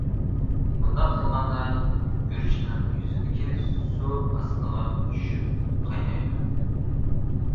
بۇنداق قىلغاندا، گۈرۈچنىڭ يۈزىدىكى سۇ ئاستىغا چۈشۈپ قاينايدۇ.